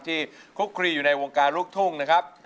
คลุกคลีอยู่ในวงการลูกทุ่งนะครับ